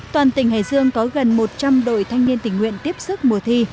toàn tỉnh hải dương có gần một trăm linh đội thanh niên tình nguyện tiếp sức mùa thi